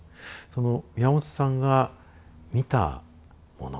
その宮本さんが見たもの